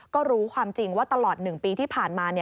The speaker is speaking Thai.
ก็รู้ความจริงว่าตลอด๑ปีที่ผ่านมา